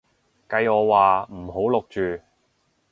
計我話唔好錄住